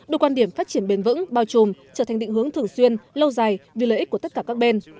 đưa quan điểm phát triển bền vững bao trùm trở thành định hướng thường xuyên lâu dài vì lợi ích của tất cả các bên